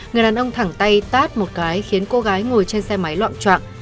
người đàn ông thẳng tay tát một cái khiến cô gái ngồi trên xe máy loạn trọng